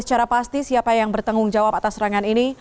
secara pasti siapa yang bertanggung jawab atas serangan ini